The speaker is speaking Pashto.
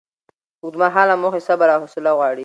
اوږدمهاله موخې صبر او حوصله غواړي.